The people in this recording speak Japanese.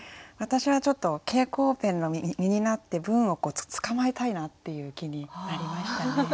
私はちょっと蛍光ペンの身になって文を捕まえたいなっていう気になりましたね。